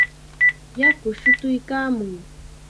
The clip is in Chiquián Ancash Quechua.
Yaku shutuykaamun.